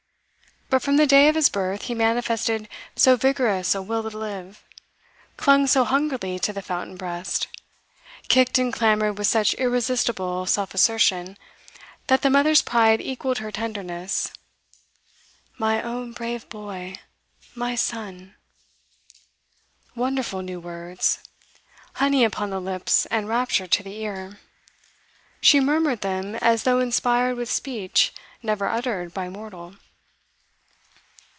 But from the day of his birth he manifested so vigorous a will to live, clung so hungrily to the fountain breast, kicked and clamoured with such irresistible self assertion, that the mother's pride equalled her tenderness. 'My own brave boy! My son!' Wonderful new words: honey upon the lips and rapture to the ear. She murmured them as though inspired with speech never uttered by mortal.